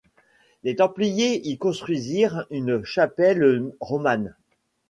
Les Templiers y construisirent une chapelle romane.